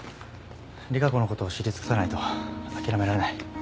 利佳子のことを知り尽くさないと諦められない。